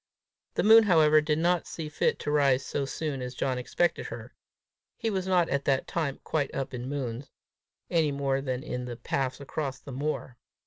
The moon, however, did not see fit to rise so soon as John expected her: he was not at that time quite up in moons, any more than in the paths across that moor.